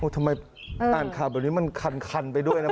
ทำไมอ่านข่าวแบบนี้มันคันไปด้วยนะ